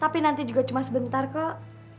tapi nanti juga cuma sebentar kok